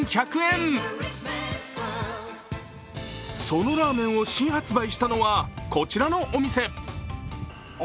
そのラーメンを新発売したのは、こちらのお店。